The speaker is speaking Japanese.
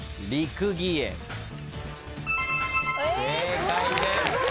正解です。